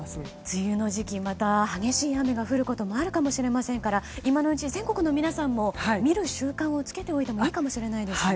梅雨の時期また激しい雨が降ることもあるかもしれませんから今のうちに全国の皆さんも見る習慣をつけておいてもいいかもしれないですね。